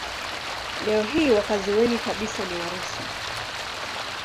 Leo hii wakazi wengi kabisa ni Warusi.